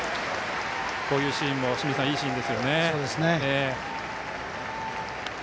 こういうシーンもいいシーンですよね。